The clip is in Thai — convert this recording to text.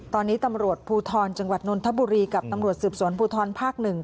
ตอนนี้ตำรวจภูทรจังหวัดนนทบุรีกับตำรวจสืบสวนภูทรภาค๑